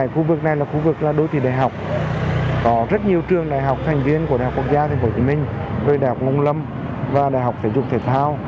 khu vực này là khu vực đô thị đại học có rất nhiều trường đại học thành viên của đại học quốc gia tp hcm về đại học nông lâm và đại học thể dục thể thao